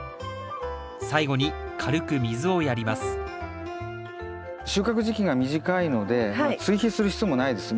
最後に軽く水をやります収穫時期が短いので追肥する必要もないです。